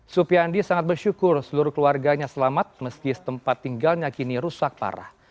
supiandi sangat bersyukur seluruh keluarganya selamat meski tempat tinggalnya kini rusak parah